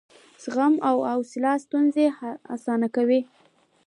زغم او حوصله ستونزې اسانه کوي.